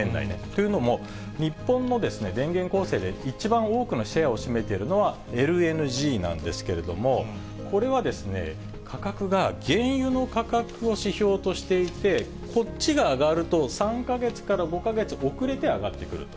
というのも、日本の電源構成で一番多くのシェアを占めているのがＬＮＧなんですけれども、これは価格が原油の価格を指標としていて、こっちが上がると、３か月から５か月遅れて上がってくる。